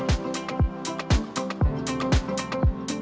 neh para pemain